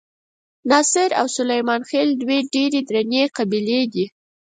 ناصر او سلیمان خېل دوې ډېرې درنې قبیلې دي.